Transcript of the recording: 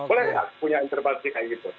boleh nggak punya intervensi kayak gitu